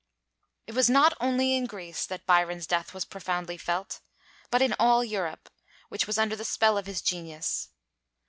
] It was not only in Greece that Byron's death was profoundly felt, but in all Europe, which was under the spell of his genius.